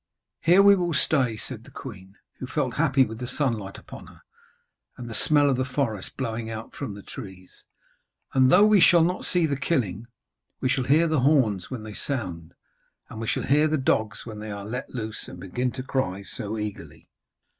'Here will we stay,' said the queen, who felt happy with the sunlight upon her, and the smell of the forest blowing out from the trees, 'and though we shall not see the killing, we shall hear the horns when they sound, and we shall hear the dogs when they are let loose and begin to cry so eagerly.'